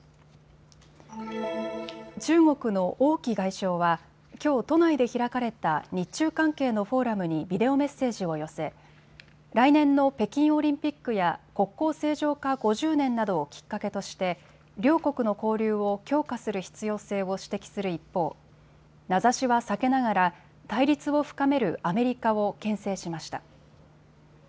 中国の王毅外相はきょう都内で開かれた日中関係のフォーラムにビデオメッセージを寄せ来年の北京オリンピックや国交正常化５０年などをきっかけとして両国の交流を強化する必要性を指摘する一方、名指しは避けながら対立を深めるアメリカをけん制しました。